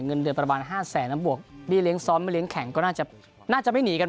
เงินเดือนประมาณ๕แสนดังผลต่อวอก